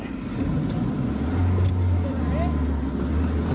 เยอะเยอะเยอะ